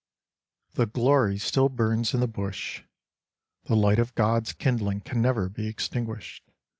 The Glory still burns in the Bush; the Light of God's kindling can never be extinguished.